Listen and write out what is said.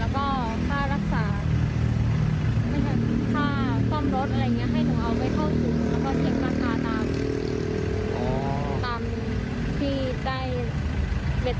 สองหมื่นบาทแล้วก็ค่ารักษาค่าซ่อมรถอะไรอย่างเงี้ย